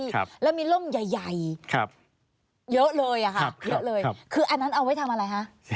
ครับเยอะเลยค่ะเยอะเลยคืออันนั้นเอาไว้ทำอะไรฮะ